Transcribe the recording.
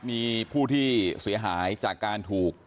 มีผู้ที่เสียหายจากการถูก